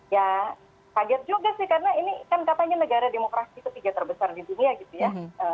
ya kaget juga sih karena ini kan katanya negara demokrasi ketiga terbesar di dunia gitu ya